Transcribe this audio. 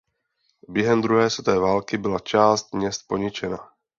Během druhé světové války byla část měst poničena.